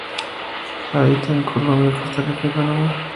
Habita en Colombia, Costa Rica y Panamá.